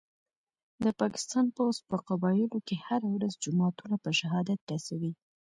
د پاکستان پوځ په قبایلو کي هره ورځ جوماتونه په شهادت رسوي